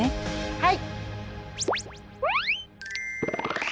はい！